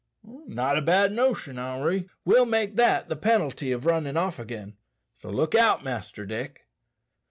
"Not a bad notion, Henri. We'll make that the penalty of runnin' off again; so look out, Master Dick."